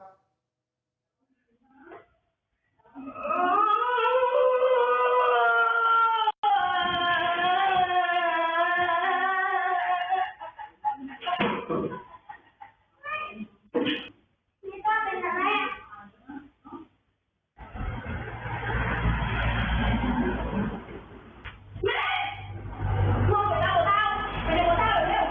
นี่ต้องเป็นอะไร